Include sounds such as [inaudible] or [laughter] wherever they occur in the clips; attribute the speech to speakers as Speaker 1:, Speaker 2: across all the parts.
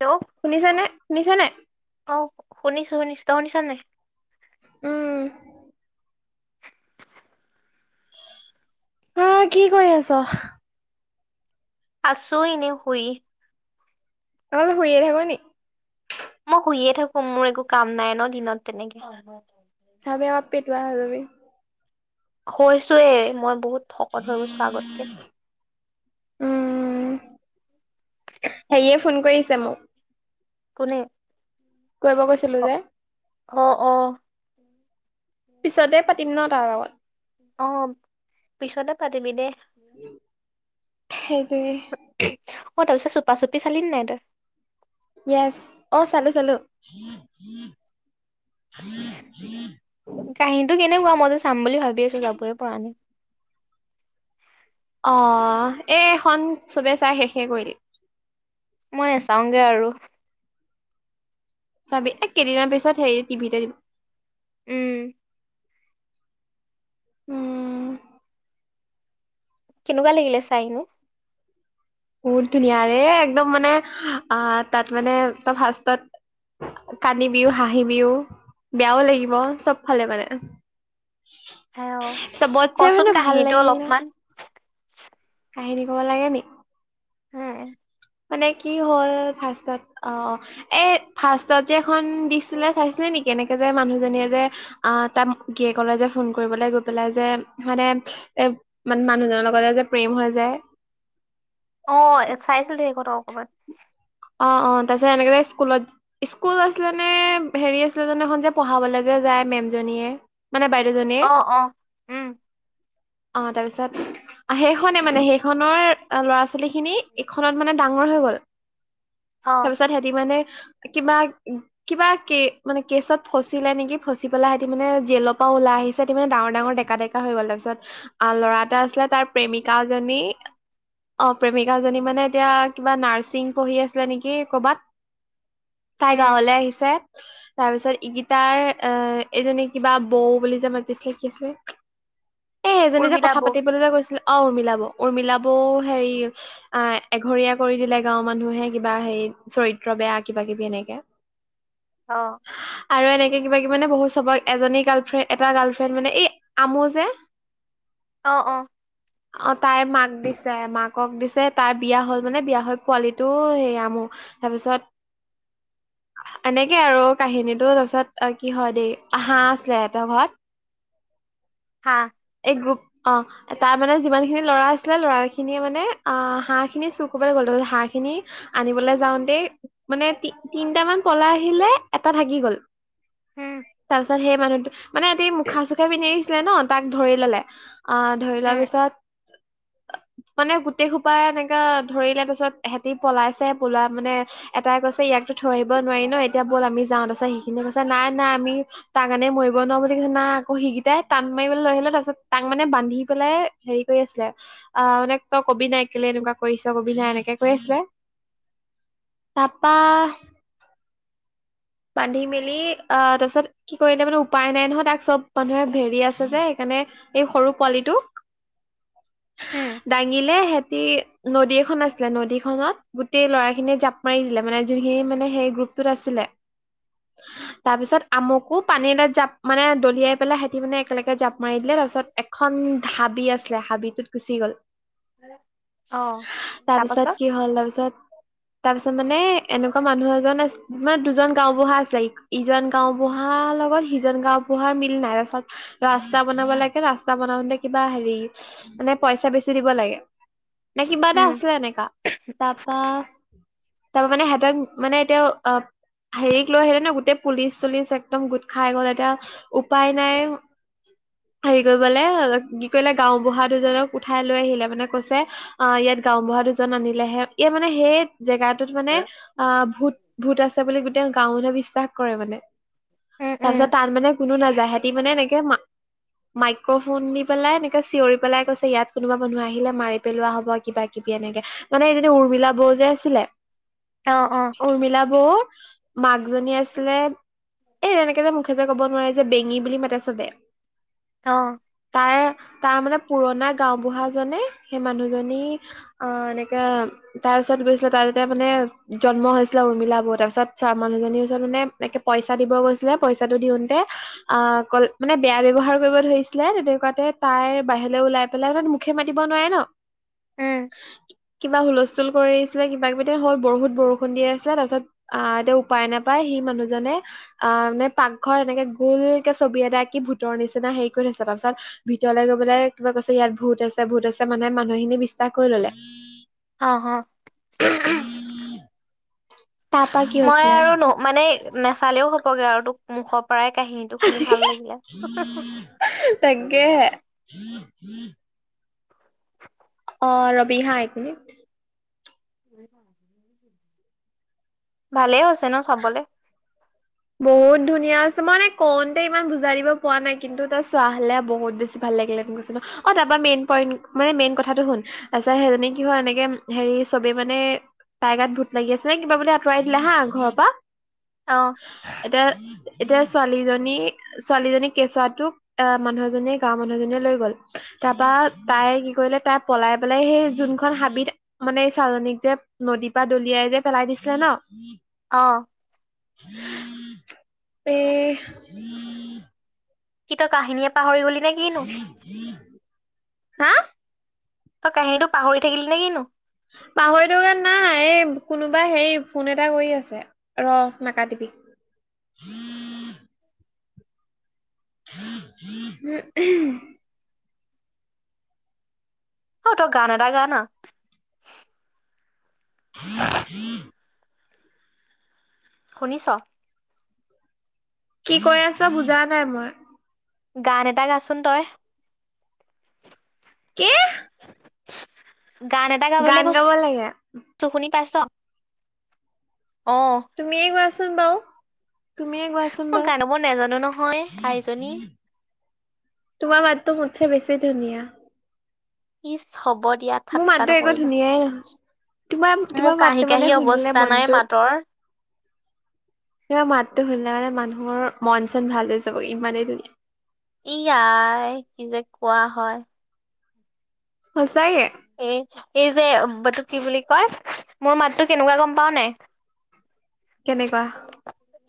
Speaker 1: Hello
Speaker 2: শুনিছ নে শুনিছ নে নাই?
Speaker 1: অ', শুনিছো শুনিছো তই শুনিছ নে নাই?
Speaker 2: উম। হা, কি কৰি আছ?
Speaker 1: আছোঁ এনেই শুই
Speaker 2: অ শুইয়ে থাক নি?
Speaker 1: মই শুইয়ে থাকো, মোৰ একো কাম নাই ন দিনত তেনেকে
Speaker 2: চাবি আক পেটুৱা হৈ যাবি।
Speaker 1: কৈছোৱেই, মই বহুত শকত হৈ গৈছো আগতকে
Speaker 2: হেৰীয়ে ফোন কৰিছে মোক
Speaker 1: কোনে?
Speaker 2: কৰিব কৈছিলো যে।
Speaker 1: অ- অ।
Speaker 2: পিছতে পাতিম ন তাৰ লগত?
Speaker 1: অ, পিছতে পাতিবি দে।
Speaker 2: সেইটোৱে
Speaker 1: অ, তাৰপিছত চুপা - চুপি চালি নে নাই তই?
Speaker 2: য়েচ অ, চালো- চালো।
Speaker 1: কাহিনীটো কেনেকুৱা? মই যে চাম বুলি ভাবি আছো যাবই পৰা নাই।
Speaker 2: অহ, এই এখন চবে চাই শেষে কৰিলে
Speaker 1: মই নেচাওঁগে আৰু।
Speaker 2: চাবি, এ কেইদিনমান পিছত হেৰি টিভিতে দিব
Speaker 1: উম।
Speaker 2: উম।
Speaker 1: কেনেকুৱা লাগিলে চাইনো?
Speaker 2: বহুত ধুনীয়া ৰে, একদম মানে আ, তাত মানে তাৰ ফাৰ্ষ্টত কান্দিবিয়ো, হাঁহিবিয়ো, বেয়াও লাগিব, চবফালে মানে। চবতচে
Speaker 1: কচোন
Speaker 2: মানে ভাল
Speaker 1: কাহিনীটো
Speaker 2: লাগিলে।
Speaker 1: অলপমান
Speaker 2: কাহিনী ক'ব লাগে নি?
Speaker 1: [unintelligible]
Speaker 2: মানে কি হ'ল, ফাৰ্ষ্টত অ', এ ফাৰ্ষ্টত যে, এখন দিছিলে চাইছিলি নিকি? এনেকে যে, মানুহজনীয়ে যে, আ তা, গিৰিয়েকলে যে, ফোন কৰিবলে গৈ পেলাই যে, মানে এ, মানে মানুহজনৰ লগতে যে, প্ৰেম হৈ যায়।
Speaker 1: অ', চাইছিলোঁ, সেইকন অকণমান।
Speaker 2: অ', অ', তাৰপিছত এনেকে স্কুলত, ইস্কুল আছিলেনে, হেৰি আছিলে, যোনখন যে, পঢ়াবলে যে, যা যায় মেমজনীয়ে। মানে বাইদেউজনীয়ে
Speaker 1: অ', অ', উম।
Speaker 2: অ', তাৰপিছত, হেইখনে মানে হেইখনৰ অ', ল'ৰা, ছোৱালীখিনি এইখনত মানে ডা ডাঙৰ হৈ গ'ল,
Speaker 1: অ',
Speaker 2: তাৰপিছত সিহঁতি মানে কিবা, কিবা কে-মানে কেচত ফচিলে নিকি, ফচি পেলাই সিহিতি মানে জেলৰ পা ওলাই আহিছে ত' মানে ডাঙৰ, ডাঙৰ ডেকা, ডেকা হৈ গ'ল, তাপিছত আ, ল'ৰা এটা আছিলে তাৰ প্ৰেমিকা জনী অ', প্ৰেমিকাজনী মানে এতিয়া কিবা নাৰ্ছিং পঢ়ি আ আছে, নেকি কৰ'বাত, তাই
Speaker 1: উম,
Speaker 2: গাঁৱলে আহিছে। তাৰপিছত ইগিতাৰ অ', এইজনী কিবা বৌ বুলি যে, মাতিছিলে কি আছিলে।
Speaker 1: [unintelligible]
Speaker 2: এ সেইজনী যে
Speaker 1: উৰ্মিলা
Speaker 2: কথা
Speaker 1: বৌ
Speaker 2: পাতিবলৈ যে গৈছিলে। অহ উৰ্মিলা বৌ উৰ্মিলা বৌ হেৰি অহ এঘৰীয়া কৰি দিলে গাঁওৰ মানুহে। কিবা হেৰি চৰিত্ৰ বেয়া কিবা কিবি এনেকে।
Speaker 1: অহ।
Speaker 2: আৰু এনেকে কিবা কিবি মানে বহুত চবক এজনী গাৰ্লফ্ৰেণ্ড এটা গাৰ্লফ্ৰেণ্ড মানে এই আমো যে।
Speaker 1: [inaudible] অ',
Speaker 2: অ তাইৰ মাক দিছে মাকক দিছে তাইৰ বিয়া হল মানে বিয়া হৈ পোৱালিটো হেৰি আমো তাৰপিছত
Speaker 1: [inaudible]
Speaker 2: এনেকে আৰু কাহিনীটো তাৰপিছত কি হয় দেই হাঁহ আছিলে এহতৰ ঘৰত
Speaker 1: হা
Speaker 2: এই গ্ৰুপ অ তাৰ মানে যিমান খিনি লৰা আছিলে লৰা খিনিয়ে মানে আহ হাঁহ খিনি চুৰ কৰিবলৈ গল। হাঁহ খিনি আনিবলৈ যাওঁ দ মানেতি তিনটামান পলা আহিলে এটা থাকি গ'ল।
Speaker 1: উম,
Speaker 2: তাৰ পিছত সেই মানুহো মানে সহ মুখা চুখা পিন্ধি ছিলে ন তাক ধৰি ললে আহ ধৰি লোৱাৰ
Speaker 1: উম,
Speaker 2: পিছত মানে গোটেই খোপাই এনেকা ধৰিলে তাৰিছত সহতি পলা পোলা মানে এটা কৈছে ইয়াকতো থৈ আহ নোৱাৰি ন এতিয়া ব'ল আমি যাওঁ তা সিখিনিয়ে কৈা নাই নাই আমি তাৰ কাৰণে মৰিব নোৱাৰো বুলি কৈছে নাই আকৌ সকেইটাই টান মাৰিবলৈ লৈ আহিলে তাৰ পছত তাক মানে বান্ধি পেলাই হেৰি কৰি আছিলে আহ মানে তই কবি নাই কেলে এনেকুৱা কৰিছ অবিধয় এনেকে কৈ আছিলে। তাৰপা বান্ধি মেলি আহ তাৰপিছত কি কৰিলে মানে উপায় নাই নহয় তাক চব মানুহে ভেৰি আছে যে সেইকাৰণে মানে এই সৰু পোৱালিটো
Speaker 1: [inaudible] উম,
Speaker 2: দাঙিলে সিহতি নদী এখন আছিলে নদীখনত গোটেই লৰা িনিয় জাপ মাৰি দিলে মানে যোনখিনি মানে সেই গ্ৰুপটোত আছিলে।
Speaker 1: [inaudible]
Speaker 2: তাৰপিছত আমুকো পানী এাত জাপ মানে দলিয়াই পেলাই সহঁতি মানে একেলগে জাপ মাৰি দিলে তাৰপিছত এখন উ হাবি আছিলে হাবিটোত গুচি গ'ল।
Speaker 1: উম।
Speaker 2: তাৰপিছত কি হ'ল তাৰপিছত তাৰ পিছত মানে এনেকুৱা মানুহ এজন আছে মানে দুজন গাওবুঢ়া চছে ইজন গাওবুঢ়াৰ লগত সিজন গাওবুঢ়াৰ মিল নাইচত ৰাস্তা বন বনাব লাগে ৰাস্তা বনাওঁতে কিবা হেৰি মানে পইচা বেছি দিব লাগে। নে কিবা এটা
Speaker 1: উম,
Speaker 2: আছিলে এনেকা তাৰপা তাৰ মানে সেহঁতক মানে এতিয়াও অ' হেৰিক লৈ আহিলে ন গোটেই পুলিচ চুলিচ একদম গোট খাই গ'ল এতিয়া উপায় নাই হেৰি কৰিবলে কি কৰিলে গাওঁবুঢ়া দুজনক উঠাই লৈ আহিলে মানে কৈছে অ' ইয়াত গাওঁবুঢ়া দুজন আনিলেহে ইয়াত মানে সেই জেগাটোত মানে
Speaker 1: উম,
Speaker 2: অ' ভূত ভূত আছে বুলি গোটেই গাওঁখনে বিশ্বাস কৰে মানে।
Speaker 1: উম,
Speaker 2: তাৰপিছত তাত মানে কোনো নাযায় হেতি মানে এনেকে মা মাইক্ৰফোন দি পেলাই এনেকে চিঞৰি পেলাই কৈছে ইয়াত কোনোবা মানুহ আহিলে মাৰি পেলোৱা হ'ব কিবা কিবি এনে মানে এইজনী উৰ্মিলা বৌ যে আছিলে।
Speaker 1: অ', অ',
Speaker 2: উৰ্মিলা বৌ মাকজনী আছিলে, এই তেনেকে যে মুখে যে ক'ব নোৱাৰে যে বেঙি বুলি মাতে চবে।
Speaker 1: অ',
Speaker 2: তাৰ তাৰ মানে পুৰণা গাওঁ বুঢ়াজনে সেই মানুহজনী অ' এনেকে তাৰ তাৰপিছত গৈছিলে [unintelligible] মানে জন্ম হৈছিলে উৰ্মিলা বৌ তাৰপিছত চোৱা মানুহজনীৰ ওচৰত মানে এনেকে পইচা দিব গৈছিলে পইচাটো দিওঁতে, অ' অলক মানে বেয়া ব্যৱহাৰ কৰিব ধৰিছিলে তেনেকুৱাতে তাইৰ বাহিৰলৈ ওলাই পেলাইাত মুখে মাতিব নোৱাৰে ন।
Speaker 1: উম,
Speaker 2: কিবা হুলস্থুল কৰি কিবা কিবিতে হ'ল বৰুত বৰষুণ দি আছে তাৰপিছত অ' এতিয়া উপায় নাপায় সি মানুহজনে অ' মে পাকঘৰ এনেকে গোলকে ছবি এটা আকি ভূতৰ নিচিনা হেৰি কৰি থৈছে তাৰপিছত ভিতৰলৈ গৈ পেলেই কিবা কৈছে ইয়াত ভূত আছে ভূত আছে মানে মানুহখিনি [unintelligible] কৰি ল'লে।
Speaker 1: অ' হ।
Speaker 2: তাৰ পৰা কি
Speaker 1: মই
Speaker 2: হৈছিলে
Speaker 1: আৰু ন' মানে নেচালেওঁ হ'বগে আৰু তোক মুখৰ- পৰাই কাহিনীটো শুনি ভাল লাগিলে।
Speaker 2: তাকেহে
Speaker 1: [unintelligible]
Speaker 2: [inaudible] অ' ৰ'বি হা এক মিনিট।
Speaker 1: ভালেই হৈছে ন' চাবলে?
Speaker 2: বহুত ধুনীয়া আছে মানে কওঁতে ইমান বুজাই দিব পৰা নাই কিন্তু তই চোৱা হ'লে বহুত বেছি ভাল লাগ- লে হেঁতেন কৈছোঁ ন' অ' তাৰপৰা মেইন পইন্ট মানে মেইন কথাটো শুন, তাৰপিছত সেইজনী কি হয় এনেকে হেৰি চবে- মানে তাইৰ গাত ভূত লাগি আছে নে কিবা বুলি আঁতৰাই দিলে হা ঘৰৰ পৰা।
Speaker 1: অ'।
Speaker 2: এতিয়া, এতিয়া- ছোৱালীজনী ছোৱালীজনীৰ কেঁচুৱাটো এ মানুহএজনী গাঁৱৰ মানুহ এজনীয়ে লৈ গ'ল, তাৰপৰা- তাই কি কৰিলে তাই পলাই পেলাই সেই যোনখন হাবিত মানে ছোৱালজনীক যে নদীৰ পৰা- দলিয়াই যে পেলাই দিছিলে ন'?
Speaker 1: অ'।
Speaker 2: এ'
Speaker 1: কি তই কাহিনীয়ে পাহৰি গলি- নে কিনো
Speaker 2: হা?
Speaker 1: তই কাহিনীটো পাহৰি থাকিলি নেকিনো?
Speaker 2: পাহৰি থকা নাই। এই কোনোবা হেৰি ফোন এটা কৰি আছে, ৰ' নাকাটিবি
Speaker 1: [inaudible]
Speaker 2: [unintelligible]
Speaker 1: অ' তই গান এটা গা না।
Speaker 2: [inaudible]
Speaker 1: শুনি'ছ?
Speaker 2: কি কৈ আছা বুজা নাই মই।
Speaker 1: গান এটা গা চোন তই।
Speaker 2: কি?
Speaker 1: গান এটা গাবলে
Speaker 2: গান
Speaker 1: কৈ,
Speaker 2: গাব লাগে
Speaker 1: ছোঁ শুনি পাইছ'? অ
Speaker 2: তুমিয়ে গোৱা চোন বাৰু। তুমিয়ে গোৱা চোন
Speaker 1: মই গান গাব নাজানো নহয় আইজনী
Speaker 2: বাৰু। তোমাৰ মাতটো, মোতছে বেছি ধুনীয়া।
Speaker 1: ইচ! হব দিয়া
Speaker 2: মোৰ
Speaker 1: ঠা্টা
Speaker 2: মাতটো একো
Speaker 1: নকৰিবা।
Speaker 2: ধুনীয়াই নহয় তোমাৰ,
Speaker 1: মোৰ
Speaker 2: তোমাৰ
Speaker 1: কাহি
Speaker 2: মাতটো
Speaker 1: কাহি
Speaker 2: মানে শুনিলে
Speaker 1: অৱস্থা নাই
Speaker 2: মনটো
Speaker 1: মাতৰ
Speaker 2: মা, মাতটো শুনিলে মানে মানুহৰ মন চন ভাল হৈ যাব, ইমানেই ধুনীয়া।
Speaker 1: ইয়াই! কি যে কোৱা হয়।
Speaker 2: সঁচাকে।
Speaker 1: এ, এই যে ব তোক কি বুলি কয়, মোৰ মাতটো কেনেকুৱা গম পাওঁ নাই?
Speaker 2: কেনেকুৱা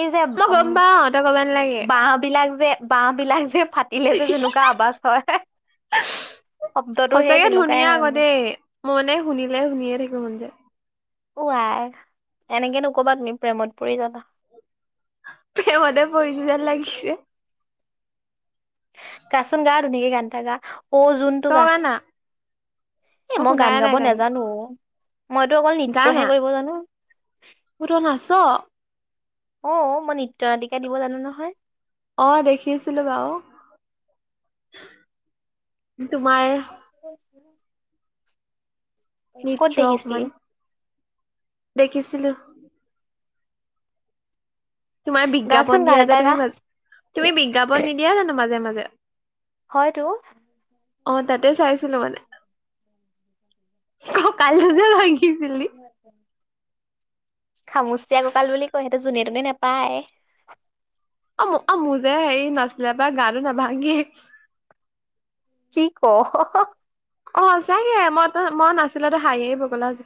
Speaker 1: এই যে এ
Speaker 2: মই
Speaker 1: উম
Speaker 2: গম পাও তই কব নালাগে
Speaker 1: বাঁহ বিলাক যে, বাঁহ বিলাক যে, ফাটিলে যে, যেনেকুৱা আৱাজ হয় শব্দটো সেই
Speaker 2: সঁচাকে
Speaker 1: তেনেকুৱাই
Speaker 2: ধুনীয়া
Speaker 1: হয়
Speaker 2: আকৌ
Speaker 1: মোৰ
Speaker 2: দেই, মনে শুনিলে, শুনিয়ে থাকিব মন যায়।
Speaker 1: ওৱাই এনেকে নক'বা তুমি, প্ৰেমত পৰি যাবা।
Speaker 2: প্ৰেমতে পৰিছোঁ যেন লাগিছে।
Speaker 1: গা চোন গা ধুনীয়াকে গান এটা গা। অ', জোনটো
Speaker 2: তই
Speaker 1: গা।
Speaker 2: গানা
Speaker 1: এ, মই গান
Speaker 2: শুনাই
Speaker 1: গাব
Speaker 2: নাই গানটো
Speaker 1: নাজানোঁ অ' মইতো অকল নৃত্যহে
Speaker 2: গানা
Speaker 1: কৰিব জানোঁ।
Speaker 2: অ তই নাচ
Speaker 1: অ', মই নৃত্য নাটিকা দিব জানো নহয়।
Speaker 2: অ', দেখিছিলোঁ বাৰু। তোমাৰ
Speaker 1: ক'ত দেখিছিলি?
Speaker 2: দেখিছিলোঁ। তোমাৰ
Speaker 1: গাচোন
Speaker 2: বিজ্ঞাপন
Speaker 1: গান
Speaker 2: দিয়া
Speaker 1: এটা
Speaker 2: যে,
Speaker 1: গা
Speaker 2: তুমি, তুমি বিজ্ঞাপন নিদিয়া জানোঁ মাজে, মাজে?
Speaker 1: হয়তো।
Speaker 2: অ', তাতে চাইছিলোঁ মানে। অ', কাইলৈ যে, [unintelligible]
Speaker 1: খামুচিয়া ককাল বুলি কয়, সেইটো যোনে তোনে নেপায়।
Speaker 2: অ', অ', মোৰ যে, এই নাচোতে গাটো নাভাঙেই।
Speaker 1: কি কৱ?
Speaker 2: অ', সচাঁকে মই, মই নাছিলে তই হাঁহি, হাঁহি পগলা হৈ‌ যা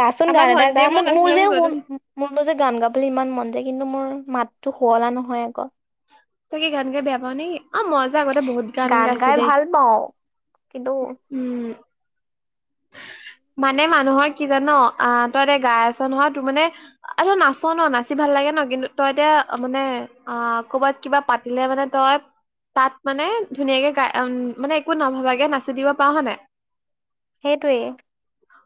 Speaker 1: গাচোন
Speaker 2: আমাৰ
Speaker 1: গান এটা গা,
Speaker 2: ভন্টিয়ে মই
Speaker 1: মোৰ, মোৰ
Speaker 2: নাচিলে
Speaker 1: যে,
Speaker 2: ওচৰতে
Speaker 1: শুন মোৰ যে, গান গাবলৈ ইমান মন যায়। কিন্তু মোৰ মাততো শুৱলা নহয় আকৌ।
Speaker 2: তই কি গান গাই বেয়া পাওঁ নেকি? অ', মই যে, আগতে বহুত গান গাইছোঁ
Speaker 1: গাই
Speaker 2: দেই।
Speaker 1: ভাল পাওঁ কিন্তু
Speaker 2: উম
Speaker 1: [inaudible]
Speaker 2: মানে মানুহৰ কি জান, আ তই এতিয়া গাই আছ নহয়, তোৰ মানে, আও তই নাচ ন, নাচি ভাল লাগে ন কিন্তু তই এতিয়া মানে অহ ক'বাত কিবা পাতিলে মানে তই। তাত মানে ধুনীয়াকে গাই উ মানে একো নভবাকে নাচি দিব পাৰ হয় নাই?
Speaker 1: সেইটোৱেই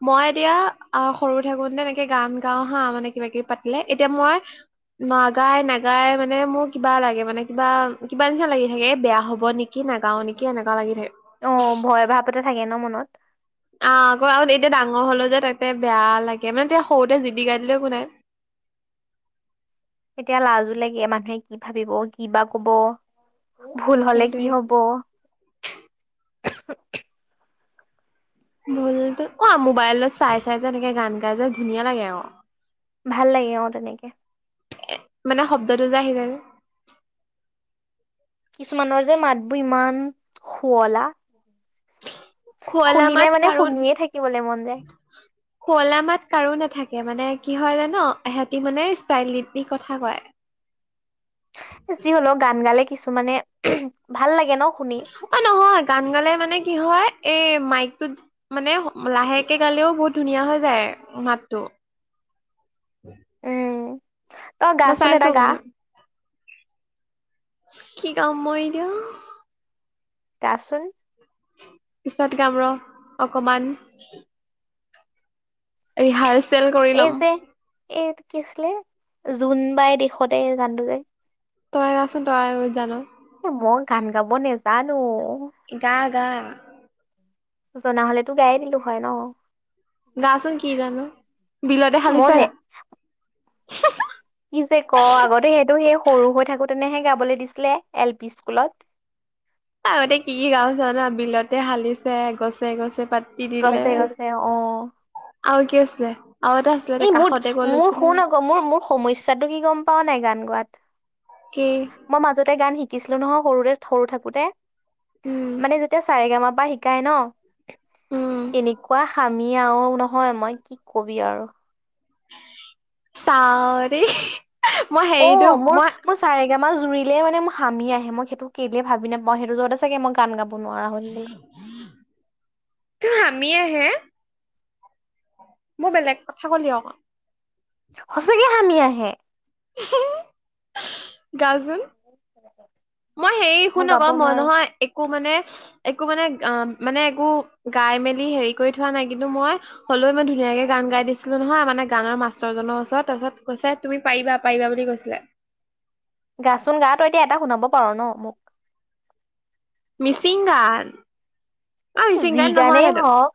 Speaker 2: মই এতিয়া আ, সৰু থাকোতে তেনেকে গান গাও হাঁ মানে কিবা কিবি পাতিলে, এতিয়া মই নাগাই নাগাই মানে মোৰ কিবা লাগে মানে কিবা, কিবা নিচিনা লাগি থাকে, এ বেয়া হ'ব নেকি, নাগাও নেকি, এনেকুৱা লাগি থাকে
Speaker 1: অ', ভয় ভাৱ এটা থাকে ন মনত?
Speaker 2: আ, আকৌ আও এতিয়া ডাঙৰ হলো যে, তাতে বেয়া লাগে, মানে তেতিয়া সৰুতে জিতি গাই দিলেও একো নাই।
Speaker 1: [inaudible] এতিয়া লাজো লাগে, মানুহে কি ভাবিব, কি বা কব! ভুল হলে কি
Speaker 2: সেইটোৱে
Speaker 1: হব?
Speaker 2: ভুলতো অ', মোবাইলত চাই চাই যে এনেকে গান গাই যে ধুনীয়া লাগে আও
Speaker 1: ভাল লাগে অহ তেনেকে।
Speaker 2: এ মানে শব্দটো যে আহি যায়।
Speaker 1: কিছুমানৰ যে মাত বোৰ ইমান শুৱলা!
Speaker 2: খুৱলা
Speaker 1: শুনিলে
Speaker 2: মাত
Speaker 1: মানে
Speaker 2: কাৰো,
Speaker 1: শুনিয়ে থাকিবলৈ মন যায়
Speaker 2: খুৱলা মাত কাৰো নাথা- কে, মানে কি হয় জান' ইহঁতি মানে ষ্টাইল দিপিনি কথা কয়।
Speaker 1: যি হলেও গান গালে কিছুমানে ভাল লা-
Speaker 2: অ' নহয় গান গালে মানে কি হয় এই মাইকটোত মানে লাহেকে গালেও বহুত ধুনীয়া হৈ যায় মাতটো। [unintelligible]
Speaker 1: উম' তই
Speaker 2: মই
Speaker 1: গাচোন
Speaker 2: চাইছো
Speaker 1: এটা গা
Speaker 2: মানে কি গাম মই এতিয়া?
Speaker 1: গাচোন।
Speaker 2: পিছত গাম ৰ' অকমান। [unintelligible]
Speaker 1: এই
Speaker 2: ল'ম
Speaker 1: যে এই কি আছিলে, জোনবাই দিশতে এই গানটো যে
Speaker 2: তই আচোন তই জান
Speaker 1: এ মই গান গাব নেজানো।
Speaker 2: এ গা-গা।
Speaker 1: জনা হ'লেতো গাই দিলো হয় ন'।
Speaker 2: গাচোন কি জানো বিলতে
Speaker 1: মই
Speaker 2: হালিছে
Speaker 1: নে
Speaker 2: গা।
Speaker 1: কি যে ক আগতে সেইটো সেই সৰু হৈ থাকোতেনেহে গাবলৈ দিছিলে এল পি স্কুলত।
Speaker 2: আগতে কি, কি গাও চ জানা বিলতে হালিছে, গছে গছে পাতে তি দিলে
Speaker 1: গছে গছে অ
Speaker 2: আৰু কি আছিলে আৰু এটা আছিলে
Speaker 1: এই মোৰ,
Speaker 2: কাষতে গ'ল
Speaker 1: মোৰ
Speaker 2: আছিলে
Speaker 1: শুন আকৌ মোৰ, মোৰ সমস্যাটো কি গম পাৱও নাই গান গোৱাত
Speaker 2: কি
Speaker 1: মই মাজতে গান শিকিছিলো নহয়, সৰুতে সৰু থাকোতে
Speaker 2: উম
Speaker 1: মানে যেতিয়া চাৰেগা মা পা শিকাই ন
Speaker 2: উম
Speaker 1: এনেকুৱা আমি আৰু নহয় মই কি কবি আৰু
Speaker 2: চাৰে
Speaker 1: অ' মোৰ, মোৰ চাৰে এবাৰ জুৰিলে মানে ম হামি আহেই, মই সেইটো কেলে ভাবি নাপাও, সেইটো জোৰতে চাগে মই গান গাব গাব নোৱাৰা হৈ থাকিলো।
Speaker 2: মি আহে মই বেলেগ কথা ক'লি অক।
Speaker 1: সঁচাকে হানি আহে।
Speaker 2: [unintelligible] গাচোন মই হেৰি শুনক
Speaker 1: গাব
Speaker 2: মই
Speaker 1: নোৱাৰো
Speaker 2: নহয় একো মানে একো মানে অ' মানে একো গাই মেলি হেৰি কৰি থোৱা নাই কিন্তু মই হ'লেও মই ধুনীয়া কে গান গাই দিছিলো নহয় মানে গানৰ মাষ্টৰজনৰ ওচৰত, তাৰপিছত কৈছে তুমি পাৰিবা, পাৰিবা বুলি কৈছিলে।
Speaker 1: গাচোন গা, তই এতিয়া এটা শুনাব পাৰ ন মোক।
Speaker 2: মিচিং গান অ' মিচিং
Speaker 1: যি
Speaker 2: গান নহয়
Speaker 1: গানেই
Speaker 2: হেতো।
Speaker 1: হওক